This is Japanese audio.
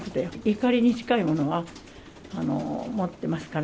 怒りに近いものを持ってますから。